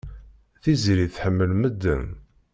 Tiziri tḥemmel medden.